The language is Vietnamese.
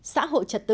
một xã hội trật tự